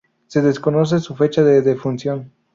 Se desconoce su fecha de defunción.